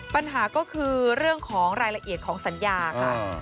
ปัญหาก็คือเรื่องของรายละเอียดของสัญญาค่ะ